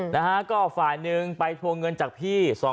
นะฮะก็ฝ่ายหนึ่งไปทวงเงินจากพี่